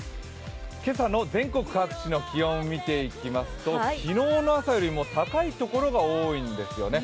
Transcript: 今朝の全国各地の気温を見ていきますと昨日の朝よりも高いところが多いんですよね。